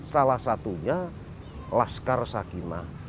salah satunya laskar sakina